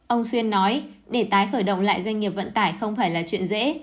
ông xuyên nói để tái khởi động lại doanh nghiệp vận tải không phải là chuyện dễ